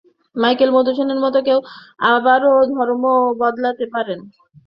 Michael মধুসূদনের মতো কেউ আবার ধর্মও বদলাতে পারেন।